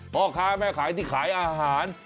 พ่อค้าแม่ขายที่ขายอาหาร